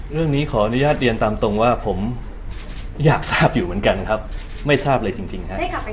เรื่องนี้ขออนุญาตเรียนตามตรงว่าผมอยากทราบอยู่เหมือนกันครับไม่ทราบเลยจริงครับ